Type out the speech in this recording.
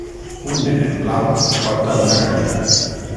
un nen en blau porta una galleda